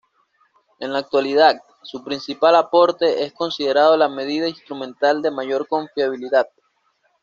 En la actualidad, su principal aporte, es considerado la medida instrumental de mayor confiabilidad.